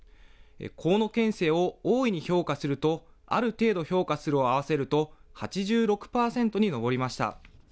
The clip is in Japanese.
河野県政を大いに評価すると、ある程度評価するを合わせると、８６％に上りました。